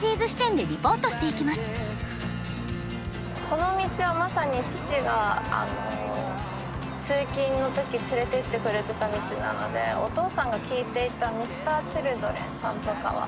この道はまさに父が通勤の時連れていってくれてた道なのでお父さんが聴いていたＭｒ．Ｃｈｉｌｄｒｅｎさんとかは。